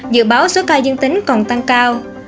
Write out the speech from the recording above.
dự báo số ca dương tính còn tăng cao